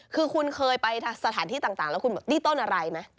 คือคุณเคยไปสถานที่ต่างแล้วคุณบอกนี่ต้นอะไรไหม